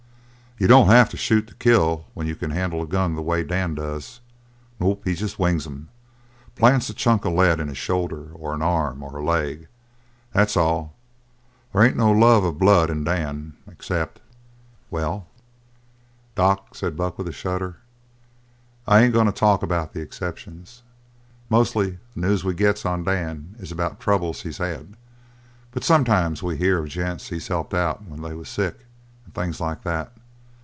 You don't have to shoot to kill when you can handle a gun the way Dan does. Nope, he jest wings 'em. Plants a chunk of lead in a shoulder, or an arm, or a leg. That's all. They ain't no love of blood in Dan except " "Well?" "Doc," said Buck with a shudder, "I ain't goin' to talk about the exceptions. Mostly the news we gets of Dan is about troubles he's had. But sometimes we hear of gents he's helped out when they was sick, and things like that.